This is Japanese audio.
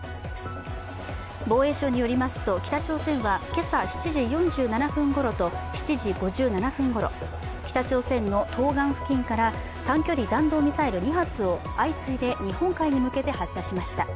防衛省によりますと、北朝鮮は今朝７時４７分ごろと７時５７分ごろ北朝鮮の東岸付近から短距離弾道ミサイル２発を相次いで日本海に向けて発射しました。